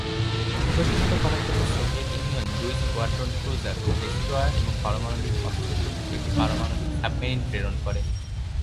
প্রতিহত করার জন্য সোভিয়েত ইউনিয়ন দুই স্কোয়াড্রন ক্রুজার ও ডেস্ট্রয়ার এবং পারমাণবিক অস্ত্রে সজ্জিত একটি পারমাণবিক সাবমেরিন প্রেরণ করে।